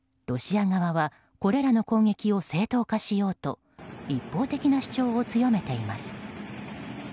ロシア側はこれらの攻撃を正当化しようと一方的な主張を強めています。